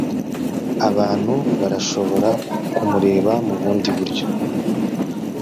abantu barashobora kumureba mu bundi buryo